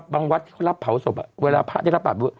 วัดที่เขารับเผาศพเวลาพระได้รับบาด